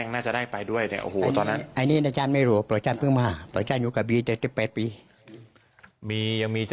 นี่อยู่กับบี๗๘ปี